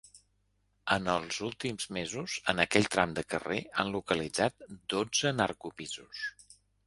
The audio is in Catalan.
En els últims mesos, en aquell tram de carrer han localitzat dotze narcopisos.